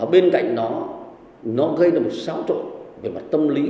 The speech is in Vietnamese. bên cạnh nó gây ra một xáo trộn về mặt tâm lý